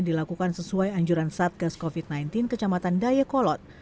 dilakukan sesuai anjuran satgas covid sembilan belas kecamatan dayakolot